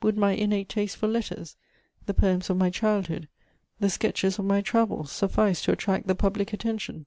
Would my innate taste for letters, the poems of my childhood, the sketches of my travels suffice to attract the public attention?